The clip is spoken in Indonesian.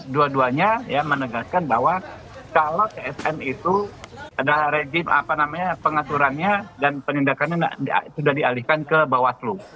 dua duanya menegaskan bahwa kalau tsm itu ada rejim pengaturannya dan penindakannya sudah dialihkan ke bawah selu